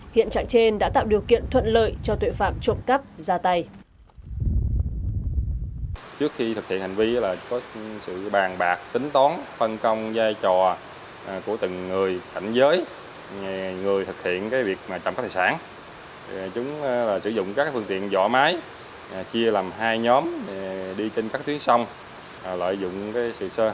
hiện trạng trên đã tạo điều kiện thuận lợi cho tuệ phạm trộm cắp ra tay